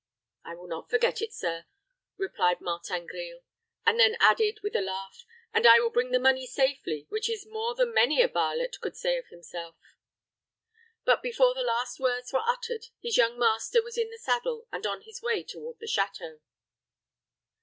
"I will not forget it, sir," replied Martin Grille; and then added, with a laugh, "and I will bring the money safely, which is more than many a varlet could say of himself;" but before the last words were uttered, his young master was in the saddle and on his way toward the château.